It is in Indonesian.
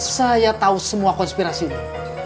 saya tahu semua konspirasi ini